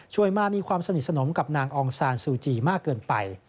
มามีความสนิทสนมกับนางองซานซูจีมากเกินไป